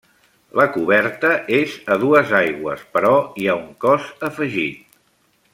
La coberta és a dues aigües, però hi ha un cos afegit.